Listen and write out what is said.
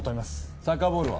サッカーボールは？